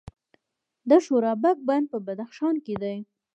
د شورابک بند په بدخشان کې دی